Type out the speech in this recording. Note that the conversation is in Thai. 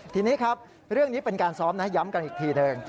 ทีนี้ครับเรื่องนี้เป็นการซ้อมนะย้ำกันอีกทีหนึ่ง